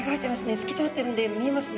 透き通ってるんで見えますね。